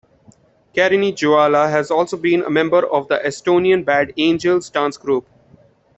Kariny Joala has also been a member of the Estonian Bad Angels dance group.